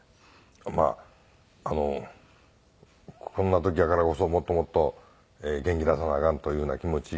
まあこんな時やからこそもっともっと元気出さなあかんというような気持ち。